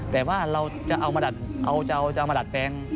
แต่ว่าเราจะเอามาดัดแปลง